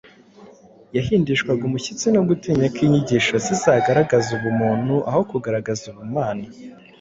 Yahindishwaga umushyitsi no gutinya ko inyigisho ze zagaragaza ubumuntu aho kugaragaza ubumana.